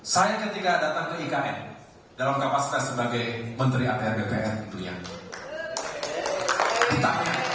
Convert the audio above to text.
saya ketika datang ke ikn dalam kapasitas sebagai menteri apr bpr itu ya